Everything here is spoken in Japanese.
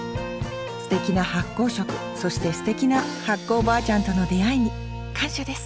すてきな発酵食そしてすてきな発酵おばあちゃんとの出会いに感謝です